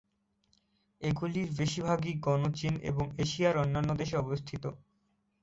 এগুলির বেশিরভাগই গণচীন এবং এশিয়ার অন্যান্য দেশে অবস্থিত।